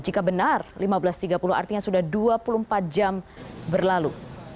jika benar lima belas tiga puluh artinya sudah dua puluh empat jam berlalu